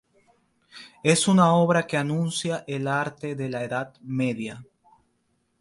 Es una obra que anuncia el arte de la Edad Media.